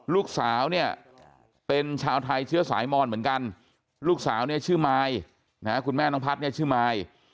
ลูกสาวเนี่ยชื่อมายคุณแม่น้องพัฒน์เนี่ยชื่อมาย